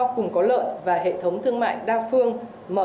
cùng có lợi và hệ thống thương mại đa phương